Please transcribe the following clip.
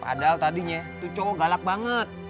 padahal tadinya tuh cowok galak banget